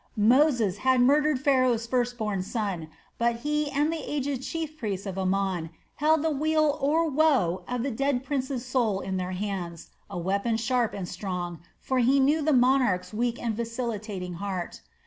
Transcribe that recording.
Moses had murdered Pharaoh's first born son, but he and the aged chief priest of Amon held the weal or woe of the dead prince's soul in their hands, a weapon sharp and strong, for he knew the monarch's weak and vacillating heart.